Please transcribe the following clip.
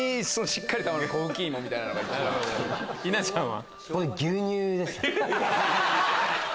稲ちゃんは？